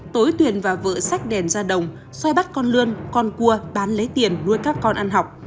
tối tuyền và vợ sách đèn ra đồng xoay bắt con lươn con cua bán lấy tiền nuôi các con ăn học